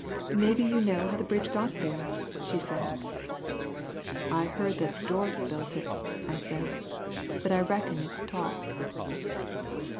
"Maybe you know how the bridge got there," she said. "I've heard that the Dwarfs built it," said I, "but I reckon it's talk."